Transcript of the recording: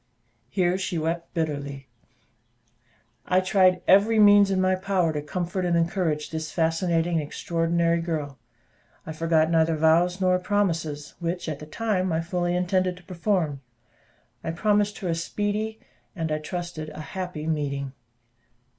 Here she wept bitterly. I tried every means in my power to comfort and encourage this fascinating and extraordinary girl; I forgot neither vows nor promises, which, at the time, I fully intended to perform. I promised her a speedy and I trusted a happy meeting.